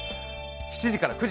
７時から９時。